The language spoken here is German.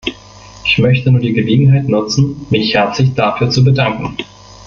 Ich möchte nur die Gelegenheit nutzen, mich herzlich dafür zu bedanken.